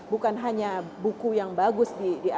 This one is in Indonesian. bukan hanya buku yang bagus